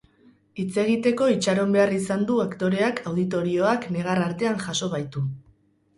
Hitz egiteko itxaron behar izan du aktoreak, auditorioak negar artean jaso baitu.